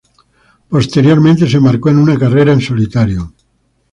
Posteriormente se embarcó en una carrera en solitario.